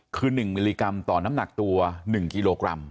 คือ๑มิลลิกรัมต่อน้ำหนักตัว๑กิโลกรัม